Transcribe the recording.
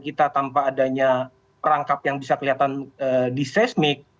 kita tanpa adanya perangkap yang bisa kelihatan di seismik